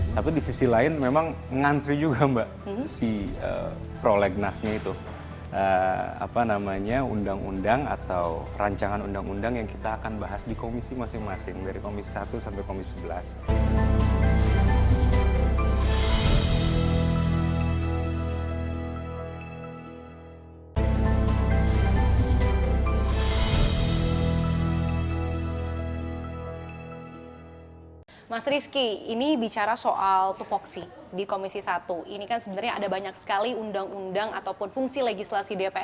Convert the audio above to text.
tapi disisi lain memang ngantri juga mbak si prolegnasnya itu apa namanya undang undang atau rancangan undang undang yang kita akan bahas di komisi masing masing dari komisi satu sampai komisi sebelas